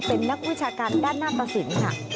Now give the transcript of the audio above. เป็นนักวิชาการด้านหน้าตสินค่ะ